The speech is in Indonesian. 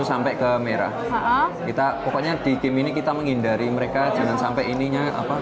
sampai ke merah kita pokoknya di game ini kita menghindari mereka jangan sampai ininya apa